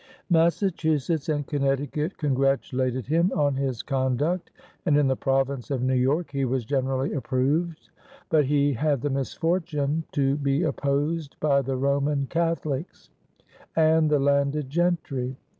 Massachusetts and Connecticut congratulated him on his conduct, and in the province of New York he was generally approved; but he had the misfortune to be opposed by the Roman Catholics and the landed gentry.